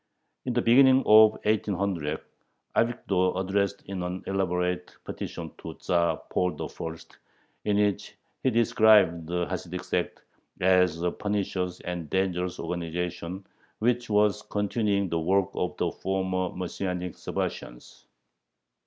In the beginning of 1800 Avigdor addressed an elaborate petition to Tzar Paul I., in which he described the Hasidic sect as "a pernicious and dangerous organization," which was continuing the work of the former Messianic Sabbatians.